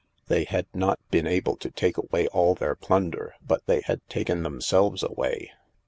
They had not been able to take away all their plunder, but they had taken themselves away.